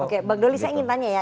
oke bang doli saya ingin tanya ya